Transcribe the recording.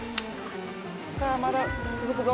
さあまだつづくぞ。